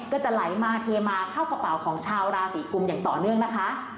ก็จะไหลมาเทมาเข้ากระเป๋าของชาวราศีกุมอย่างต่อเนื่องนะคะ